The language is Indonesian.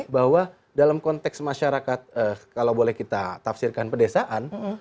bahwa dalam konteks masyarakat kalau boleh kita tafsirkan pedesaan